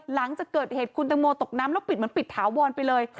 หลังจากเกิดเหตุคุณตังโมตกน้ำแล้วปิดเหมือนปิดถาวรไปเลย